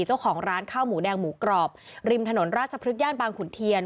เจ้าของร้านข้าวหมูแดงหมูกรอบริมถนนราชพฤกษย่านบางขุนเทียน